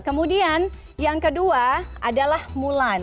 kemudian yang kedua adalah mulan